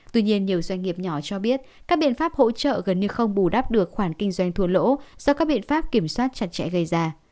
tuy nhiên nhiều doanh nghiệp nhỏ cho biết các biện pháp hỗ trợ gần như không bù đắp được khoản kinh doanh thua lỗ do các biện pháp kiểm soát chặt chẽ gây ra